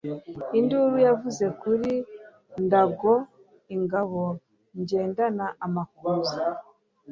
Induru yavuye kuri NdagoIngabo nyendana amakuza